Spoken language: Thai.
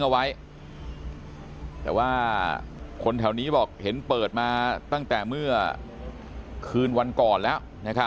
เอาไว้แต่ว่าคนแถวนี้บอกเห็นเปิดมาตั้งแต่เมื่อคืนวันก่อนแล้ว